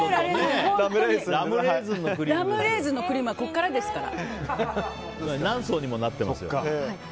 ラムレーズンのクリームはここからですから。